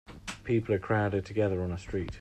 People are crowded together on a street.